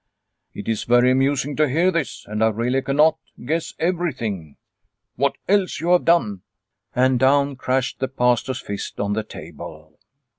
It is very amusing to hear this, and I really cannot guess everything." " What else you have done !" And down crashed the Pastor's fist on the table.